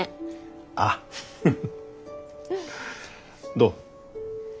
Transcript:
どう？